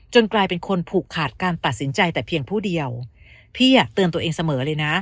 กลายเป็นคนผูกขาดการตัดสินใจแต่เพียงผู้เดียวพี่อ่ะเตือนตัวเองเสมอเลยนะ